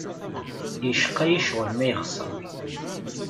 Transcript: Yecqa-yi ccɣel ma yexṣer.